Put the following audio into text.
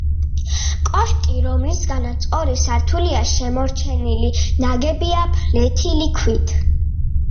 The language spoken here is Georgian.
კოშკი, რომლისგანაც ორი სართულია შემორჩენილი ნაგებია ფლეთილი ქვით.